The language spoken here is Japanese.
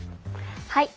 はい。